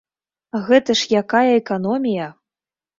Гэта ж якая эканомія!